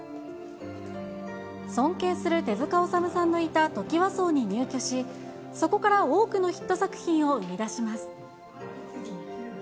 尊敬する手塚治虫さんのいたトキワ荘に入居し、そこから多くのヒット作品を生み出します。